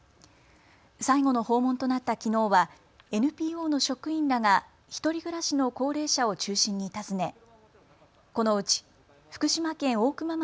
最後の訪問となったきのうはＮＰＯの職員らが１人暮らしの高齢者を中心に訪ねこのうち福島県大熊